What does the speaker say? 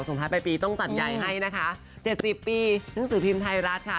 ส่วนท้ายไปปีต้องจัดใหญ่ให้นะคะ๗๐ปีภิมธ์ภิมธ์ไทยรัฐค่ะ